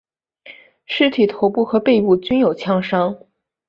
尸体头部和背部均有枪伤。